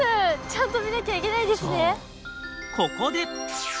ちゃんと見なきゃいけないんですね。